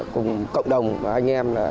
cùng cộng đồng anh em